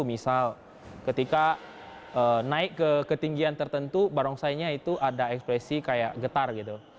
misal ketika naik ke ketinggian tertentu barongsainya itu ada ekspresi kayak getar gitu